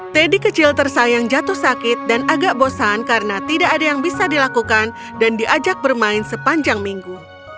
teddy kecil tersayang jatuh sakit dan agak bosan karena tidak ada yang bisa dilakukan dan diajak bermain sepanjang minggu